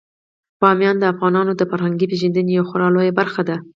بامیان د افغانانو د فرهنګي پیژندنې یوه خورا لویه برخه ده.